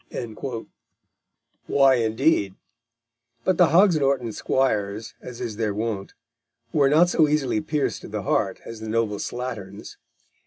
_ Why, indeed? But the Hogs Norton squires, as is their wont, were not so easily pierced to the heart as the noble slatterns.